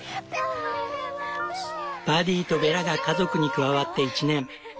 パディとベラが家族に加わって１年。